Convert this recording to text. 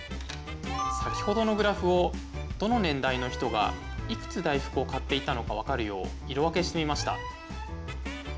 先ほどのグラフをどの年代の人がいくつ大福を買っていたのかわかるよう色分けしてみました。